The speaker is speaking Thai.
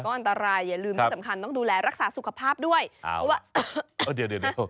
ก็อันตรายอย่าลืมที่สำคัญต้องดูแลรักษาสุขภาพด้วยเพราะว่าโอ้เดี๋ยว